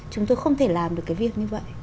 chúng tôi không thể làm được cái việc như vậy